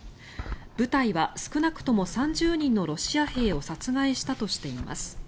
部隊は少なくとも３０人のロシア兵を殺害したとしています。